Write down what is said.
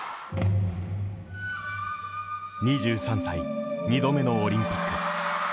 ２３歳、２度目のオリンピック。